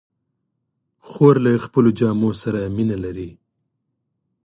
خور له خپلو جامو سره مینه لري.